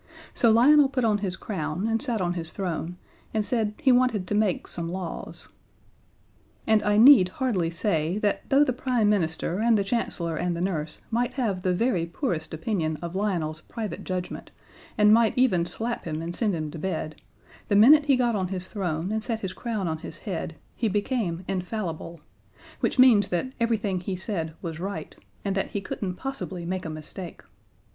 So Lionel put on his crown and sat on his throne and said he wanted to make some laws. And I need hardly say that though the Prime Minister and the Chancellor and the Nurse might have the very poorest opinion of Lionel's private judgement, and might even slap him and send him to bed, the minute he got on his throne and set his crown on his head, he became infallible which means that everything he said was right, and that he couldn't possibly make a mistake.